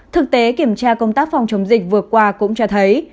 thực tế kiểm tra công tác phòng chống dịch vừa qua cũng cho thấy